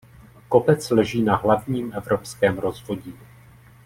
Kopec leží na hlavním evropském rozvodí.